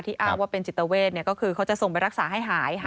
อ้างว่าเป็นจิตเวทก็คือเขาจะส่งไปรักษาให้หาย